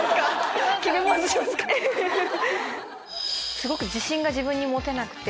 すごく自信が自分に持てなくて。